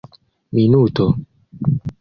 minuto